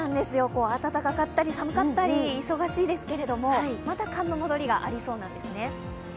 暖かかったり、寒かったり忙しいですけれどもまた寒の戻りがありそうなんですね。